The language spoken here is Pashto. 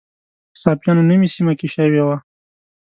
په صافیانو نومي سیمه کې شوې وه.